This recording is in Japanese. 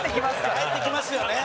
帰ってきますよね。